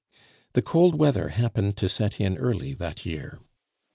The cold weather happened to set in early that year.